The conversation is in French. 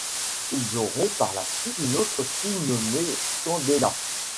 Ils auront par la suite une autre fille nommée Candela.